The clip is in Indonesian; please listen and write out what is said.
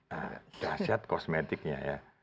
nah jelas jelas kosmetiknya ya